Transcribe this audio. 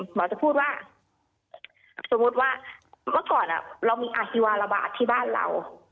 หมอจะพูดว่าสมมุติว่าเมื่อก่อนเรามีอาฮิวาระบาดที่บ้านเรา